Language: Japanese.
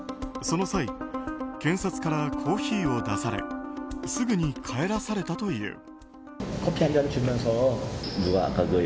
その際、検察からコーヒーを出されすぐに帰らされたという。